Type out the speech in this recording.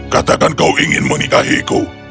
katakan kau ingin menikahiku